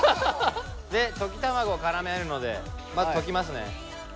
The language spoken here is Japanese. で溶き卵からめるのでまず溶きますね。